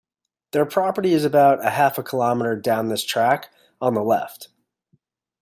Their property is about half a kilometre down this track, on the left.